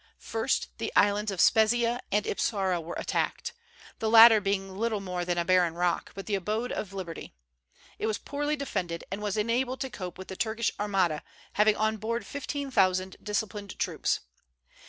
First, the islands of Spezzia and Ipsara were attacked, the latter being little more than a barren rock, but the abode of liberty. It was poorly defended, and was unable to cope with the Turkish armada, having on board fifteen thousand disciplined troops.